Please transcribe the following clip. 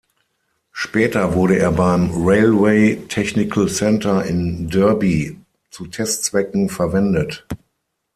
Später wurde er beim Railway Technical Centre in Derby zu Testzwecken verwendet.